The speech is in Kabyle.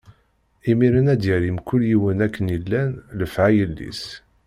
Imiren ad yerr i mkul yiwen akken i llan lefɛayel-is.